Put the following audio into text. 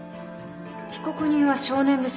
被告人は少年です。